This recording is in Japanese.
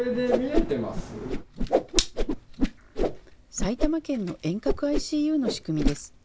埼玉県の遠隔ＩＣＵの仕組みです。